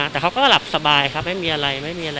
แต่เขาก็หลับสบายครับไม่มีอะไรไม่มีอะไร